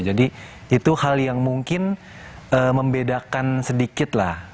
jadi itu hal yang mungkin membedakan sedikit lah